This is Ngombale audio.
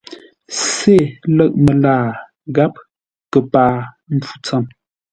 Sê ləʼ məlaa gháp kəpaa mpfu tsəm.